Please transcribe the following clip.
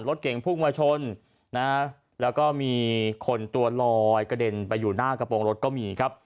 รถเก่งพุ่งมาชนนะแล้วก็มีคนตัวลอยกระเด็นไปอยู่หน้ากระโปรงรถก็มีครับ